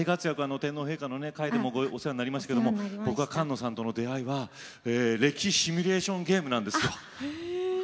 天皇陛下のね回でもお世話になりましたけども僕は菅野さんとの出会いは歴史シミュレーションゲームなんですよ。